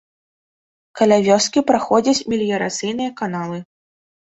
Каля вёскі праходзяць меліярацыйныя каналы.